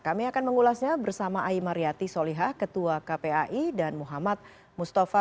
kami akan mengulasnya bersama ai mariati solihah ketua kpai dan muhammad mustafa